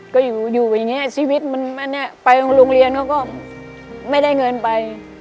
ก็อยู่อย่างนี้ชีวิตมันอันนี้ไปโรงเรียนเขาก็ไม่ได้เงินไป